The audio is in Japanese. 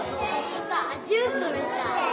ジュースみたい。